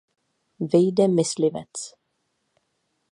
Vyjde Myslivec.